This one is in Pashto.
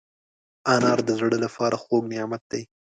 انار د زړه له پاره خوږ نعمت دی.